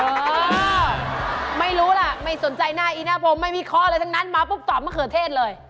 เออไม่รู้ล่ะไม่สนใจหน้าอีหน้าผมไม่มีข้ออะไรทั้งนั้นมาปุ๊บตอบมะเขือเทศเลย